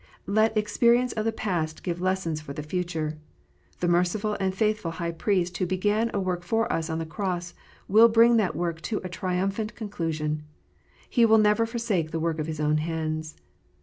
Let experience of the past give lessons for the future. The merciful and faithful High Priest who began a work for us on the cross, will bring that work to a triumphant conclusion. He will never forsake the work of His own hands.